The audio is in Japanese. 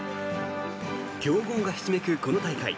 強豪がひしめくこの大会。